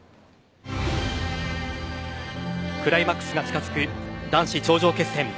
クライマックスが近づく男子頂上決戦。